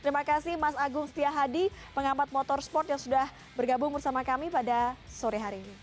terima kasih mas agung setia hadi pengamat motorsport yang sudah bergabung bersama kami pada sore hari ini